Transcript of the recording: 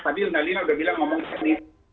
tadi mbak danila sudah bilang ngomong seperti ini